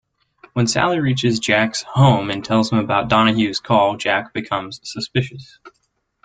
When Sally reaches Jack's home and tells him about Donahue's call, Jack becomes suspicious.